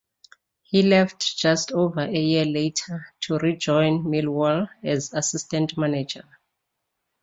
He left just over a year later to re-join Millwall as assistant manager.